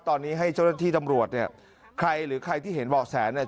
ตอนนี้ให้เจ้าหน้าที่ตำรวจเนี่ยใครหรือใครที่เห็นเบาะแสเนี่ย